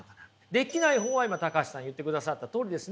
できない方は今橋さん言ってくださったとおりですね。